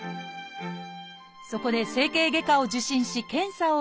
そこで整形外科を受診し検査を受けました。